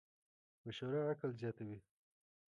مشوره عقل زیاتوې.